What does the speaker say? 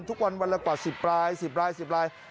ทุกวันวันละกว่า๑๐ราย๑๐ราย๑๐ราย